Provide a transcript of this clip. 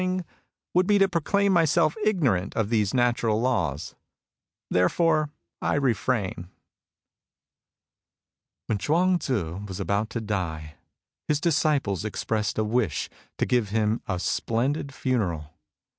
112 MUSINGS OF A CHINESE MYSTIC would be to proclaim myself ignorant of these naturatl laws. Therefore I refram.'' When Chuang Tzu was about to die, his dis ciples expressed a wish to give him a splendid funeral.